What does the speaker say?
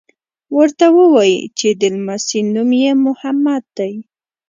ورته ووایي چې د لمسي نوم یې محمد دی.